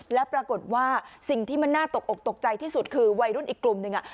แล้วปรากฏว่าสิ่งที่มันน่าตกอกตกใจที่สุดคือวัยรุ่นอีกกลุ่มหนึ่ง